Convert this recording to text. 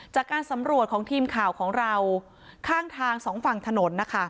จากการสำรวจของทีมข่าวของเราข้างทางสองฝั่งถนนนะคะ